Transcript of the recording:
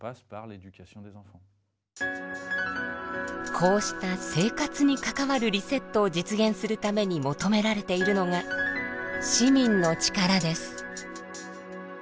こうした「生活に関わるリセット」を実現するために求められているのが「市民の力」です。